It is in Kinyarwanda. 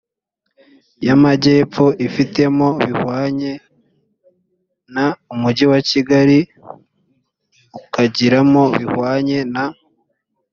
y amajyepfo ifitemo bihwanye na umujyi wa kigali ukagiramo bihwanye na